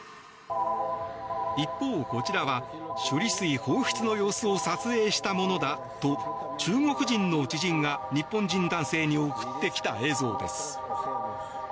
一方、こちらは処理水放出の様子を撮影したものだと中国人の知人が日本人男性に送ってきた映像です。